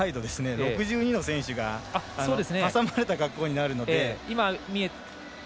６２の選手に挟まれた格好になるので。